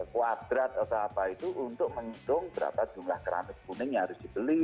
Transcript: kuadrat atau apa itu untuk menghitung berapa jumlah keramik kuning yang harus dibeli